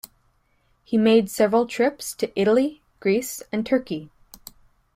He made several trips to Italy, Greece and Turkey.